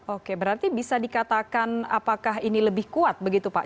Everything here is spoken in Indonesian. oke berarti bisa dikatakan apakah ini lebih kuat begitu pak